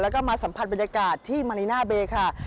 แล้วก็มาสัมผัสบรรยากาศที่มารีน่าเบค่ะ